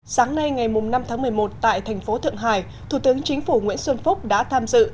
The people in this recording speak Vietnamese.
sáng nay ngày năm tháng một mươi một tại thành phố thượng hải thủ tướng chính phủ nguyễn xuân phúc đã tham dự